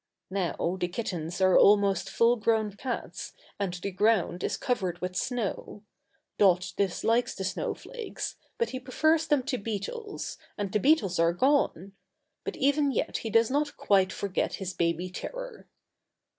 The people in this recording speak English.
Now the kittens are almost full grown cats, and the ground is covered with snow. Dot dislikes the snowflakes, but he prefers them to beetles, and the beetles are gone! But even yet he does not quite forget his baby terror.